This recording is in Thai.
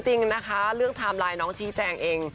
จริงนะคะเรื่องไทม์ไลน์น้องชี้แจงเอง